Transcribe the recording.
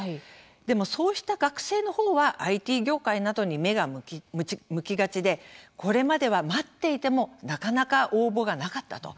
でもそうした学生のほうはＩＴ業界などに目が向きがちでこれまでは待っていてもなかなか応募がなかったと。